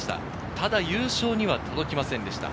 ただ優勝には届きませんでした。